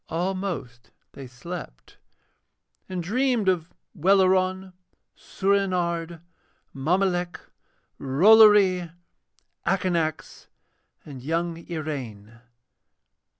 Almost they slept, and dreamed of Welleran, Soorenard, Mommolek, Rollory, Akanax, and young Iraine.